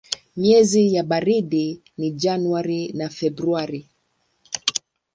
Miezi ya baridi ni Januari na Februari.